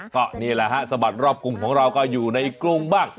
ก็นี่แหละฮะสะบัดรอบกรุงของเราก็อยู่ในกรุงบ้าง